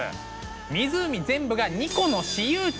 湖全部がニコの私有地。